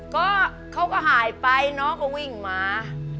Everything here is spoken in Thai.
ก็เขาก็หายไปน้องก็วิ่งมา